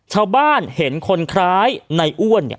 ชาวบ้านเห็นคนคล้ายคอนสวรรคอร์นในอ้วน